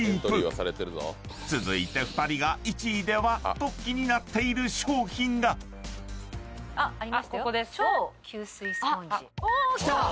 ［続いて２人が１位では？と気になっている商品が］きた！